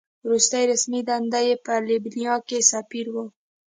وروستۍ رسمي دنده یې په لیبیا کې سفیر وه.